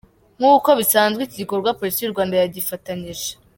Nk’uko bisanzwe, iki gikorwa Polisi y’u Rwanda yagifatanyije